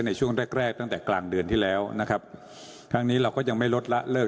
ในช่วงแรกแรกตั้งแต่กลางเดือนที่แล้วนะครับทั้งนี้เราก็ยังไม่ลดละเลิก